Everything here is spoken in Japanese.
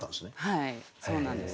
はいそうなんです。